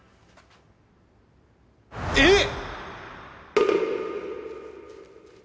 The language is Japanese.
えっ！？